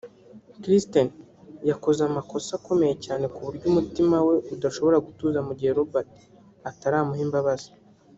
Kristen yakoze amakosa akomeye cyane kuburyo umutima we udashobora gutuza mu gihe Robert ataramuha imbabazi